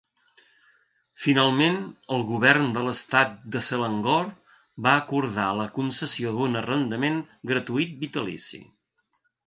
Finalment el govern de l'estat de Selangor va acordar la concessió d'un arrendament gratuït vitalici.